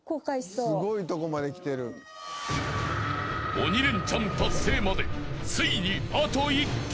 ［鬼レンチャン達成までついにあと１曲］